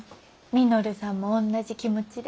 稔さんもおんなじ気持ちで。